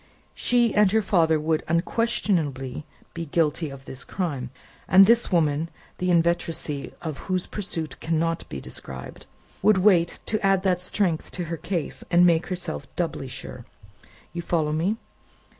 She and her father would unquestionably be guilty of this crime, and this woman (the inveteracy of whose pursuit cannot be described) would wait to add that strength to her case, and make herself doubly sure. You follow me?"